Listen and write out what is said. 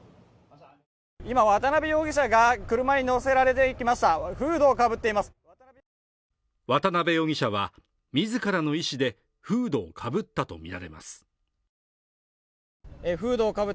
今渡辺容疑者が車に乗せられていきましたフードをかぶっています渡辺容疑者は自らの意思でフードをかぶったとみられますえ